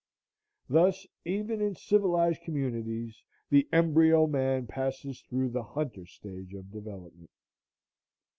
Thus, even in civilized communities, the embryo man passes through the hunter stage of development.